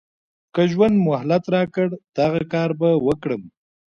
که ژوند مهلت راکړ دغه کار به وکړم.